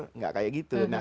tidak seperti itu